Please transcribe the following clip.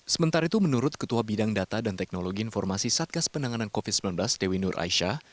sementara itu menurut ketua bidang data dan teknologi informasi satgas penanganan covid sembilan belas dewi nur aisyah